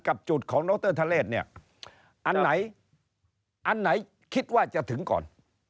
กับจุดของรถเตอร์ทะเลสอันไหนคิดว่าจะถึงก่อน